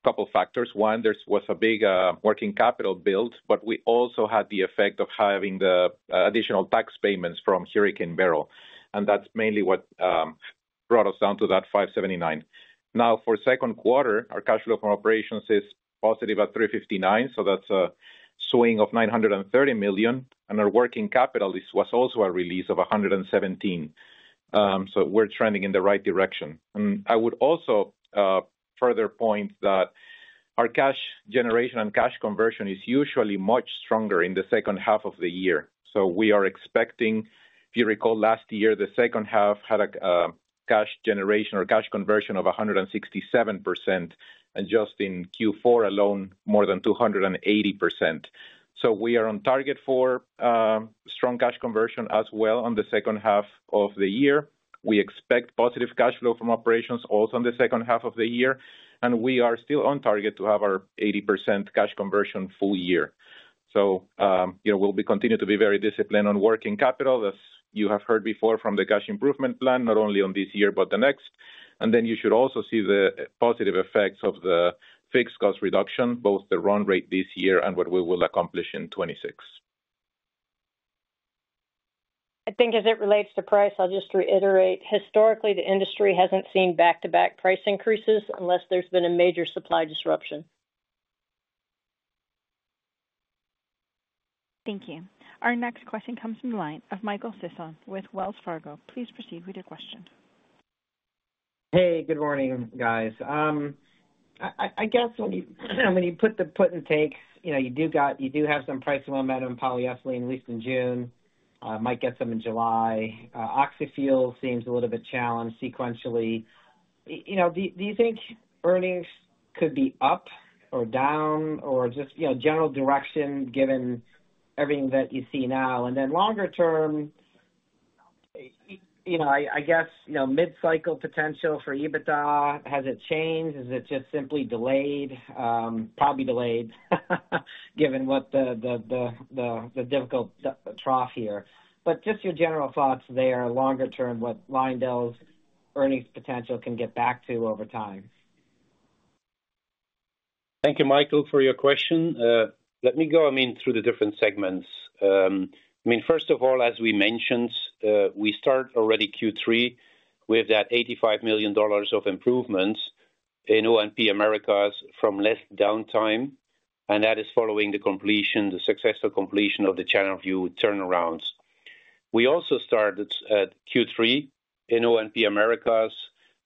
D: a couple of factors. One, there was a big working capital build, but we also had the effect of having the additional tax payments from Hurricane Beryl. That's mainly what brought us down to that $579 million. For the second quarter, our cash flow from operations is positive at $359 million, so that's a swing of $930 million. Our working capital, this was also a release of $117 million. We're trending in the right direction. I would also further point that our cash generation and cash conversion is usually much stronger in the second half of the year. We are expecting, if you recall last year, the second half had a cash generation or cash conversion of 167%, and just in Q4 alone, more than 280%. We are on target for strong cash conversion as well in the second half of the year. We expect positive cash flow from operations also in the second half of the year. We are still on target to have our 80% cash conversion full year. We'll continue to be very disciplined on working capital, as you have heard before from the cash improvement plan, not only on this year, but the next. You should also see the positive effects of the fixed cost reduction, both the run rate this year and what we will accomplish in 2026.
E: I think as it relates to price, I'll just reiterate, historically, the industry hasn't seen back-to-back price increases unless there's been a major supply disruption.
A: Thank you. Our next question comes from the line of Michael Sison with Wells Fargo. Please proceed with your question.
L: Hey, good morning, guys. I guess when you put the puts and takes, you do have some price momentum in polyethylene, at least in June. Might get some in July. Oxyfuel seems a little bit challenged sequentially. Do you think earnings could be up or down or just general direction given everything that you see now? Then longer term, I guess mid-cycle potential for EBITDA, has it changed? Is it just simply delayed? Probably delayed given what the difficult trough here. Just your general thoughts there, longer term, what LyondellBasell Industries' earnings potential can get back to over time?
C: Thank you, Michael, for your question. Let me go through the different segments. First of all, as we mentioned, we started already Q3 with that $85 million of improvements in O&P Americas from less downtime. That is following the successful completion of the Channelview turnarounds. We also started at Q3 in O&P Americas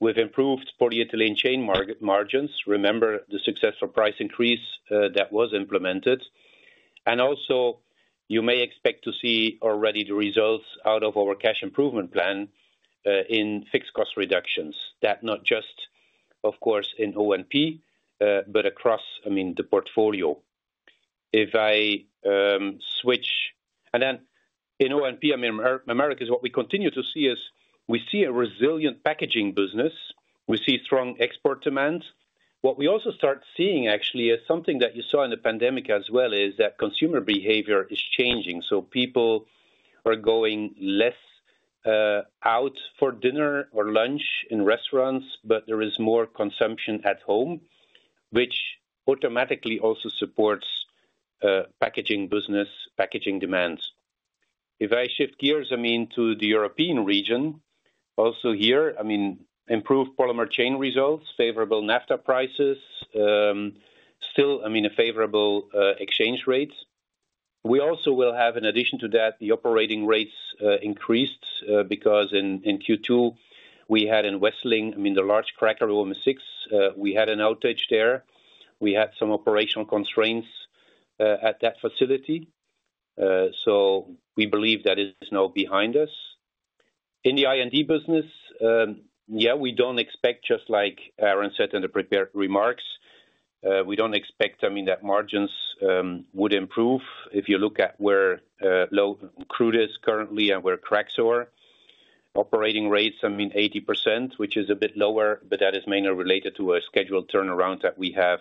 C: with improved polyethylene chain margins. Remember the successful price increase that was implemented. Also, you may expect to see already the results out of our cash improvement plan in fixed cost reductions. That is not just, of course, in O&P, but across the portfolio. If I switch, in O&P Americas, what we continue to see is a resilient packaging business. We see strong export demand. What we also start seeing, actually, is something that you saw in the pandemic as well, which is that consumer behavior is changing. People are going less out for dinner or lunch in restaurants, but there is more consumption at home, which automatically also supports packaging business, packaging demands. If I shift gears to the European region, also here, improved polymer chain results, favorable naphtha prices, still a favorable exchange rate. We also will have, in addition to that, the operating rates increased because in Q2, we had in Wesseling the large cracker Room six, we had an outage there. We had some operational constraints at that facility. We believe that is now behind us. In the intermediates & derivatives business, we don't expect, just like Aaron said in the prepared remarks, that margins would improve. If you look at where crude is currently and where cracks are, operating rates are 80%, which is a bit lower, but that is mainly related to a scheduled turnaround that we have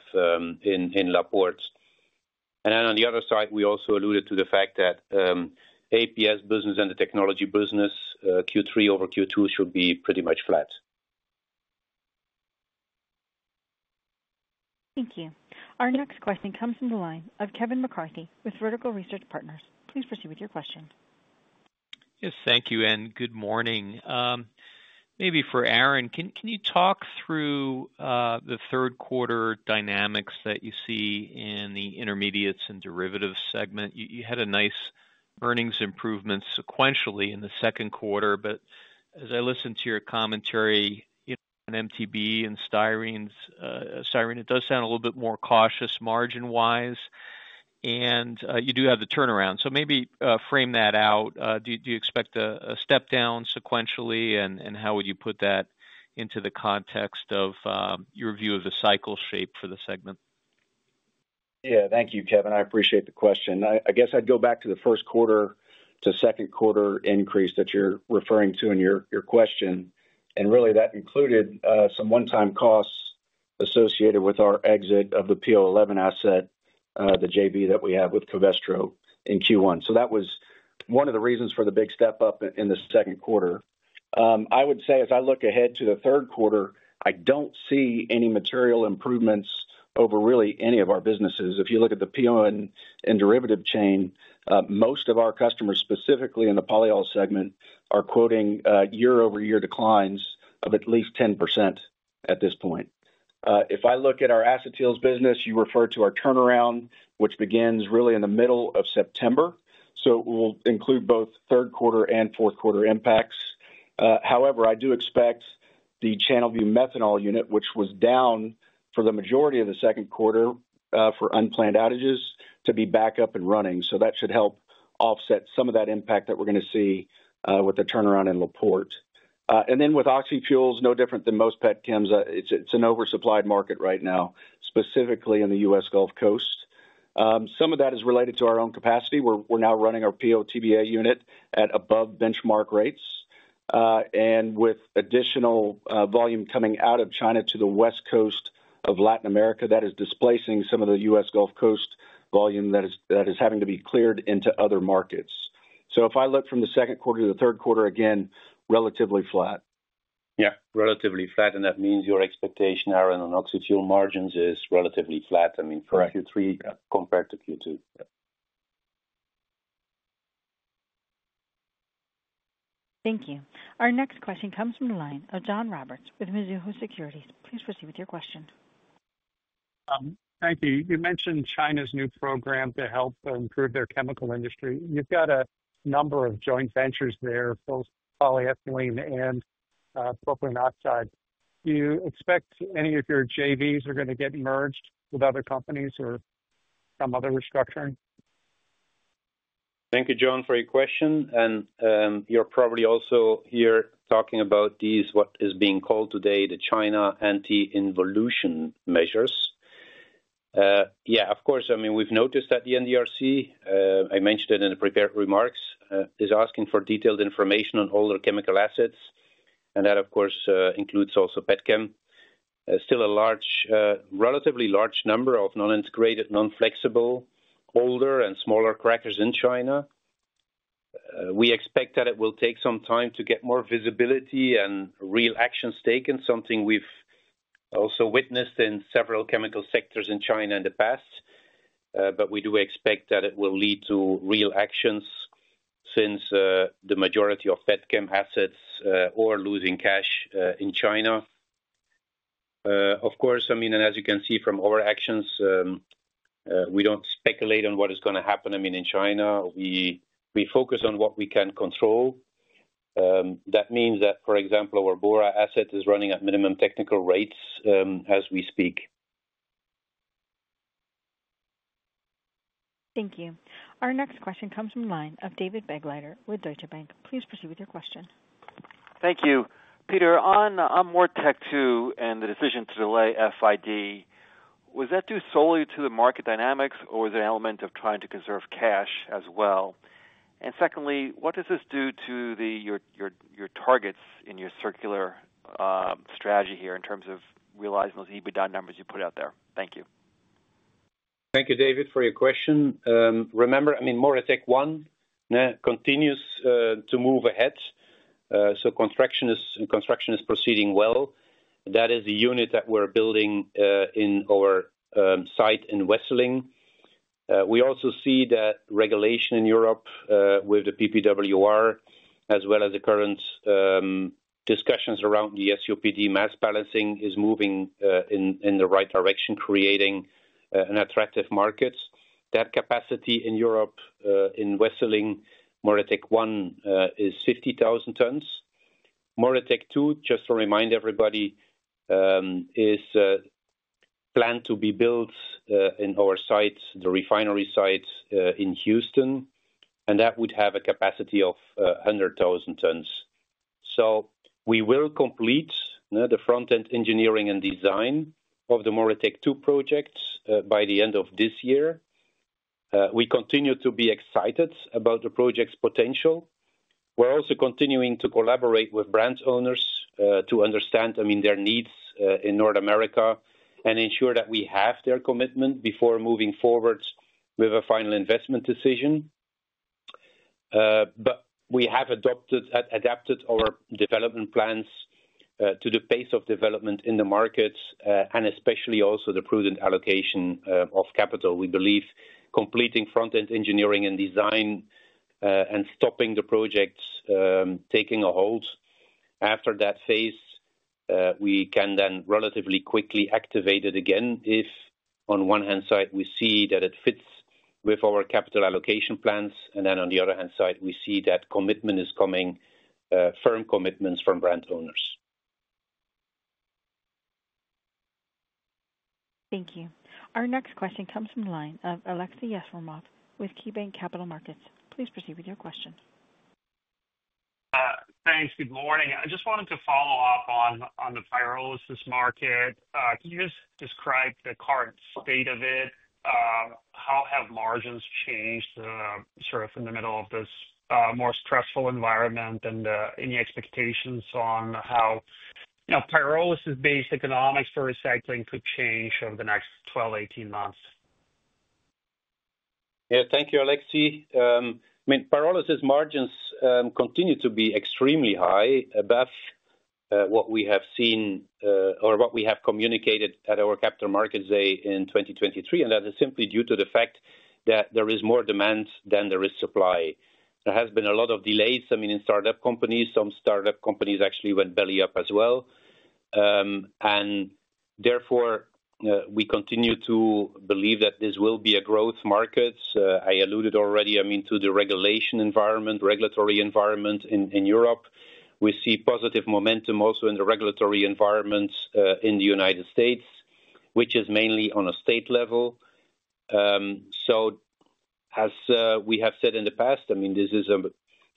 C: in LaPorte. On the other side, we also alluded to the fact that advanced polymer solutions business and the technology business Q3 over Q2 should be pretty much flat.
A: Thank you. Our next question comes from the line of Kevin McCarthy with Vertical Research Partners. Please proceed with your question.
M: Yes, thank you, and good morning. Maybe for Aaron, can you talk through the third quarter dynamics that you see in the intermediates & derivatives segment? You had a nice earnings improvement sequentially in the second quarter, but as I listened to your commentary, you know, on MTBE and styrene, it does sound a little bit more cautious margin-wise, and you do have the turnaround. Maybe frame that out. Do you expect a step down sequentially, and how would you put that into the context of your view of the cycle shape for the segment?
F: Yeah, thank you, Kevin. I appreciate the question. I guess I'd go back to the first quarter to second quarter increase that you're referring to in your question. That included some one-time costs associated with our exit of the PO11 asset, the JV that we have with Covestro in Q1. That was one of the reasons for the big step up in the second quarter. I would say, as I look ahead to the third quarter, I don't see any material improvements over really any of our businesses. If you look at the PO and derivative chain, most of our customers, specifically in the polyol segment, are quoting year-over-year declines of at least 10% at this point. If I look at our acetyls business, you refer to our turnaround, which begins in the middle of September. That will include both third quarter and fourth quarter impacts. However, I do expect the Channelview Methanol unit, which was down for the majority of the second quarter for unplanned outages, to be back up and running. That should help offset some of that impact that we're going to see with the turnaround in LaPorte. With oxyfuels, no different than most petchems, it's an oversupplied market right now, specifically in the U.S. Gulf Coast. Some of that is related to our own capacity. We're now running our PO/TBA unit at above benchmark rates. With additional volume coming out of China to the West Coast of Latin America, that is displacing some of the U.S. Gulf Coast volume that is having to be cleared into other markets. If I look from the second quarter to the third quarter, again, relatively flat.
C: Yeah, relatively flat. That means your expectation, Aaron, on oxyfuel margins is relatively flat, for Q3 compared to Q2.
A: Thank you. Our next question comes from the line of John Roberts with Mizuho Securities. Please proceed with your question.
N: Thank you. You mentioned China's new program to help improve their chemical industry. You've got a number of joint ventures there, both polyethylene and propylene oxide. Do you expect any of your JVs are going to get merged with other companies or some other restructuring?
C: Thank you, John, for your question. You're probably also here talking about these, what is being called today, the China anti-involution measures. Of course, we've noticed that the NDRC, I mentioned it in the prepared remarks, is asking for detailed information on older chemical assets. That, of course, includes also Petchem. Still a relatively large number of non-integrated, non-flexible, older, and smaller crackers in China. We expect that it will take some time to get more visibility and real actions taken, something we've also witnessed in several chemical sectors in China in the past. We do expect that it will lead to real actions since the majority of Petchem assets are losing cash in China. Of course, as you can see from our actions, we don't speculate on what is going to happen. In China, we focus on what we can control. That means that, for example, our Bora asset is running at minimum technical rates as we speak.
A: Thank you. Our next question comes from the line of David Begleiter with Deutsche Bank. Please proceed with your question.
O: Thank you. Peter, on MoReTec-2 and the decision to delay FID, was that due solely to the market dynamics, or was there an element of trying to conserve cash as well? Secondly, what does this do to your targets in your circular strategy here in terms of realizing those EBITDA numbers you put out there? Thank you.
C: Thank you, David, for your question. MoReTec-1 continues to move ahead. Construction is proceeding well. That is the unit that we're building at our site in Wessling. We also see that regulation in Europe with the PPWR, as well as the current discussions around the SUPD mass balancing, is moving in the right direction, creating an attractive market. That capacity in Europe in Wessling, MoReTec-1, is 50,000 tons. MoReTec-2, just to remind everybody, is planned to be built at our refinery site in Houston, and that would have a capacity of 100,000 tons. We will complete the front-end engineering and design of the MoReTec-2 project by the end of this year. We continue to be excited about the project's potential. We're also continuing to collaborate with brand owners to understand their needs in North America and ensure that we have their commitment before moving forward with a final investment decision. We have adapted our development plans to the pace of development in the markets and especially also the prudent allocation of capital. We believe completing front-end engineering and design and stopping the project is taking a hold. After that phase, we can then relatively quickly activate it again if, on one hand, we see that it fits with our capital allocation plans. On the other hand, we see that commitment is coming, firm commitments from brand owners.
A: Thank you. Our next question comes from the line of Aleksey Yefremov with KeyBanc Capital Markets. Please proceed with your question.
P: Thanks. Good morning. I just wanted to follow up on the pyrolysis market. Can you just describe the current state of it? How have margins changed in the middle of this more stressful environment? Any expectations on how pyrolysis-based economics for recycling could change over the next 12 to 18 months?
C: Yeah, thank you, Aleksey. Pyrolysis margins continue to be extremely high, above what we have seen or what we have communicated at our Capital Markets Day in 2023. That is simply due to the fact that there is more demand than there is supply. There have been a lot of delays in startup companies. Some startup companies actually went belly up as well. Therefore, we continue to believe that this will be a growth market. I alluded already to the regulatory environment in Europe. We see positive momentum also in the regulatory environments in the United States, which is mainly on a state level. As we have said in the past, this is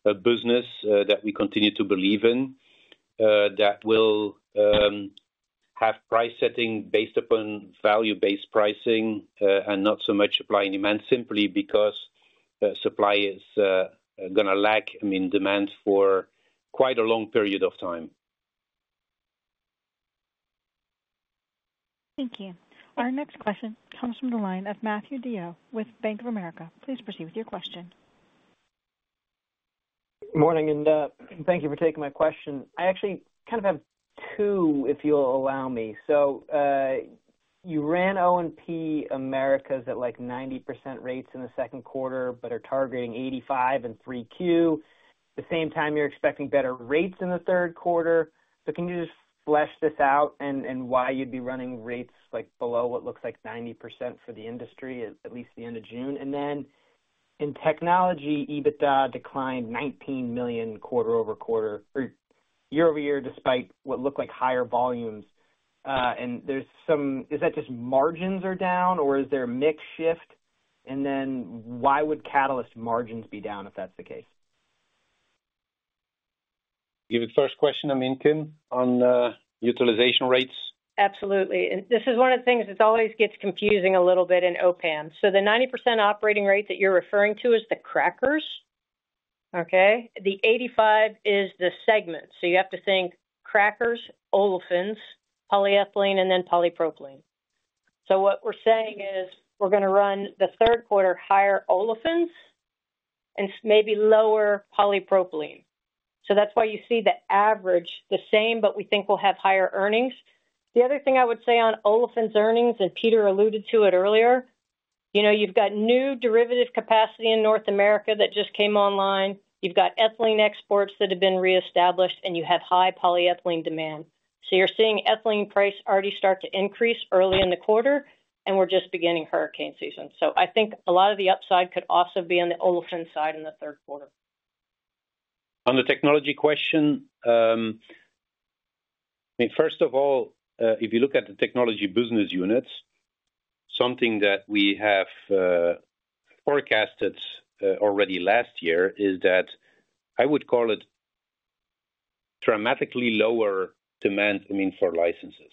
C: a business that we continue to believe in that will have price setting based upon value-based pricing and not so much supply and demand, simply because supply is going to lack demand for quite a long period of time.
A: Thank you. Our next question comes from the line of Matthew DeYoe with Bank of America. Please proceed with your question.
Q: Morning. Thank you for taking my question. I actually kind of have two, if you'll allow me. You ran O&P Americas at like 90% rates in the second quarter, but are targeting 85% in 3Q. At the same time, you're expecting better rates in the third quarter. Can you just flesh this out and why you'd be running rates like below what looks like 90% for the industry at least the end of June? In technology, EBITDA declined $19 million quarter-over-quarter or year-over-year despite what looked like higher volumes. Is that just margins are down or is there a mixed shift? Why would catalyst margins be down if that's the case?
C: Given the first question, I mean, Kim, on utilization rates?
E: Absolutely. This is one of the things that always gets confusing a little bit in OPAM. The 90% operating rate that you're referring to is the crackers, okay? The 85% is the segment. You have to think crackers, olefins, polyethylene, and then polypropylene. What we're saying is we're going to run the third quarter higher olefins and maybe lower polypropylene. That's why you see the average the same, but we think we'll have higher earnings. The other thing I would say on olefins earnings, and Peter alluded to it earlier, you've got new derivative capacity in North America that just came online. You've got ethylene exports that have been reestablished, and you have high polyethylene demand. You're seeing ethylene price already start to increase early in the quarter, and we're just beginning hurricane season. I think a lot of the upside could also be on the olefin side in the third quarter.
C: On the technology question, first of all, if you look at the technology business units, something that we have forecasted already last year is that I would call it dramatically lower demand for licenses.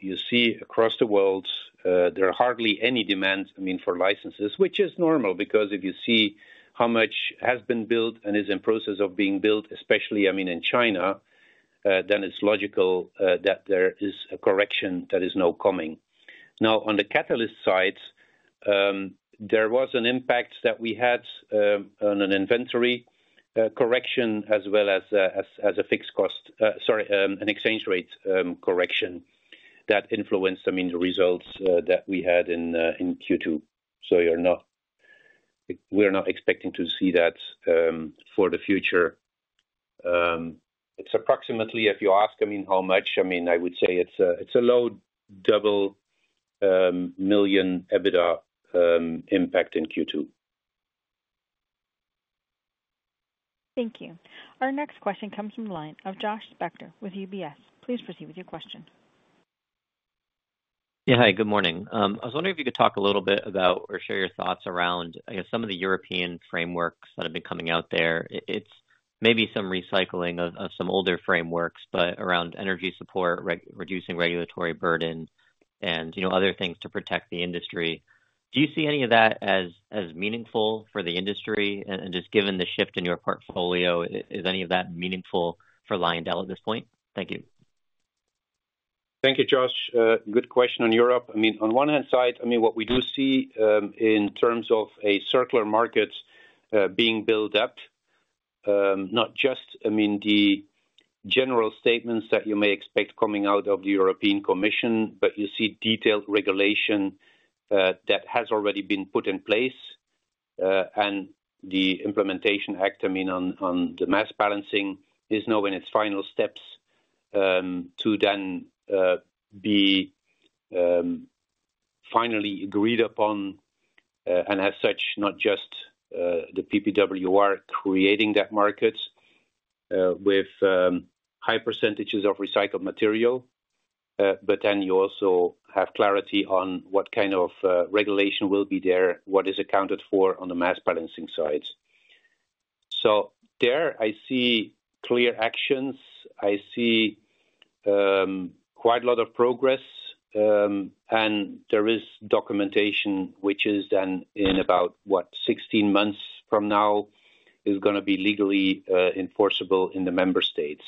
C: You see across the world, there is hardly any demand for licenses, which is normal because if you see how much has been built and is in process of being built, especially in China, then it's logical that there is a correction that is now coming. On the catalyst side, there was an impact that we had on an inventory correction as well as a fixed cost, sorry, an exchange rate correction that influenced the results that we had in Q2. We are not expecting to see that for the future. It's approximately, if you ask how much, I would say it's a low double million EBITDA impact in Q2.
A: Thank you. Our next question comes from the line of Josh Spector with UBS. Please proceed with your question.
R: Yeah, hi, good morning. I was wondering if you could talk a little bit about or share your thoughts around some of the European frameworks that have been coming out there. It's maybe some recycling of some older frameworks, but around energy support, reducing regulatory burden, and other things to protect the industry. Do you see any of that as meaningful for the industry? Just given the shift in your portfolio, is any of that meaningful for Lyondell at this point? Thank you.
C: Thank you, Josh. Good question on Europe. On one hand, what we do see in terms of a circular market being built up is not just the general statements that you may expect coming out of the European Commission, but you see detailed regulation that has already been put in place. The Implementation Act on the mass balancing is now in its final steps to then be finally agreed upon, and as such, not just the PPWR creating that market with high percentage of recycled material, but then you also have clarity on what kind of regulation will be there, what is accounted for on the mass balancing side. There, I see clear actions. I see quite a lot of progress, and there is documentation, which is then in about 16 months from now, going to be legally enforceable in the member states.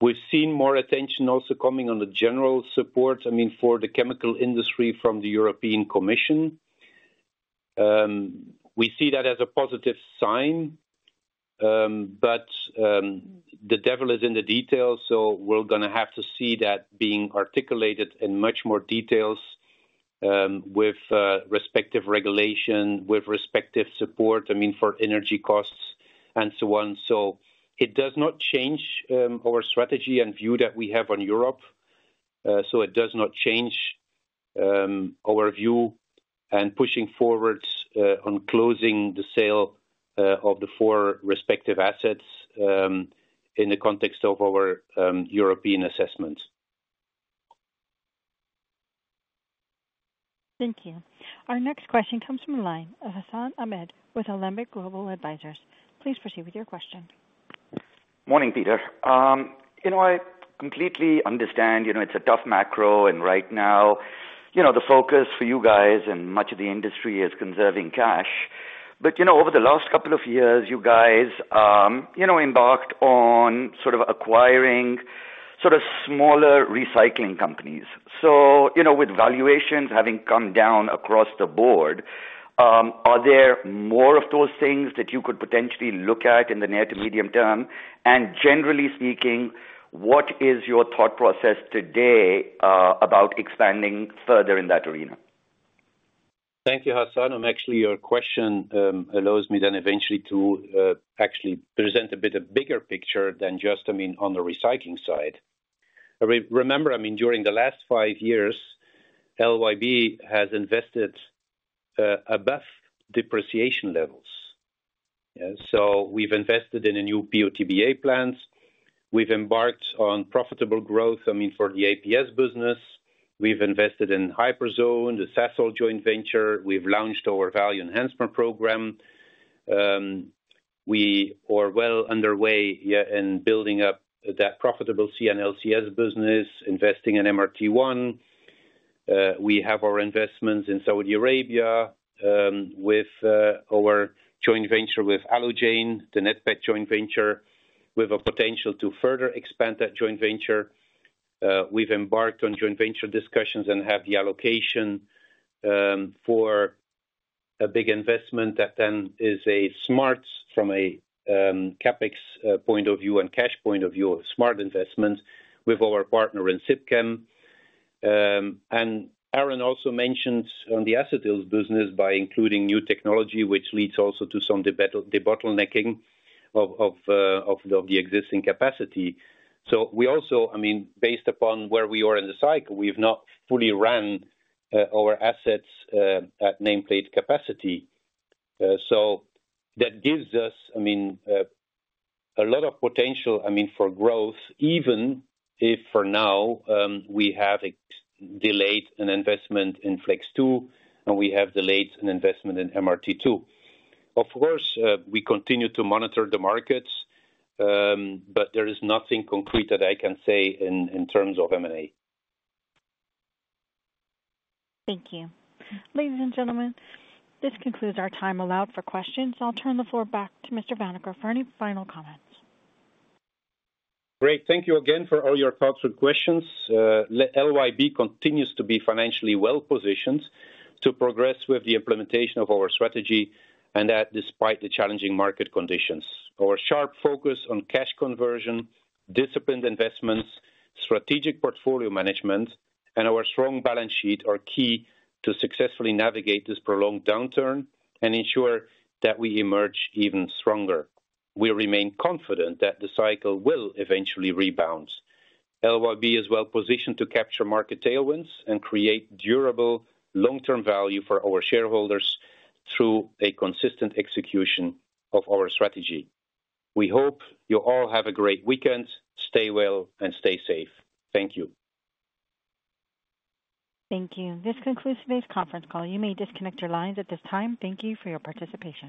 C: We've seen more attention also coming on the general support for the chemical industry from the European Commission. We see that as a positive sign, but the devil is in the details. We are going to have to see that being articulated in much more detail with respective regulation, with respective support for energy costs and so on. It does not change our strategy and view that we have on Europe. It does not change our view and pushing forward on closing the sale of the four respective assets in the context of our European assessment.
A: Thank you. Our next question comes from the line of Hassan Ahmed with Alembic Global Advisors. Please proceed with your question.
S: Morning, Peter. I completely understand, it's a tough macro. Right now, the focus for you guys and much of the industry is conserving cash. Over the last couple of years, you guys embarked on sort of acquiring smaller recycling companies. With valuations having come down across the board, are there more of those things that you could potentially look at in the near to medium term? Generally speaking, what is your thought process today about expanding further in that arena?
C: Thank you, Hassan. Your question allows me then eventually to actually present a bit of a bigger picture than just, I mean, on the recycling side. Remember, during the last five years, LYB has invested above depreciation levels. We've invested in a new PO/TBA plant. We've embarked on profitable growth for the advanced polymer solutions business. We've invested in Hyperzone, the Sasol joint venture. We've launched our value enhancement program. We are well underway in building up that profitable C&LCS business, investing in MRT-1. We have our investments in Saudi Arabia with our joint venture with Alujain, the NATPET joint venture with a potential to further expand that joint venture. We've embarked on joint venture discussions and have the allocation for a big investment that then is smart from a CapEx point of view and cash point of view of smart investments with our partner in Sipchem. Aaron Ledet also mentioned on the acetyls business by including new technology, which leads also to some debottlenecking of the existing capacity. Based upon where we are in the cycle, we've not fully run our assets at nameplate capacity. That gives us a lot of potential for growth, even if for now we have delayed an investment in Flex-2 and we have delayed an investment in MRT-2. Of course, we continue to monitor the markets, but there is nothing concrete that I can say in terms of M&A.
A: Thank you. Ladies and gentlemen, this concludes our time allowed for questions. I'll turn the floor back to Mr. Vanacker for any final comments.
C: Great. Thank you again for all your thoughts and questions. LYB continues to be financially well positioned to progress with the implementation of our strategy, and that despite the challenging market conditions. Our sharp focus on cash conversion, disciplined investments, strategic portfolio management, and our strong balance sheet are key to successfully navigate this prolonged downturn and ensure that we emerge even stronger. We remain confident that the cycle will eventually rebound. LYB is well positioned to capture market tailwinds and create durable long-term value for our shareholders through a consistent execution of our strategy. We hope you all have a great weekend. Stay well and stay safe. Thank you.
A: Thank you. This concludes today's conference call. You may disconnect your lines at this time. Thank you for your participation.